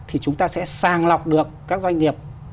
thì chúng ta sẽ sàng lọc được các doanh nghiệp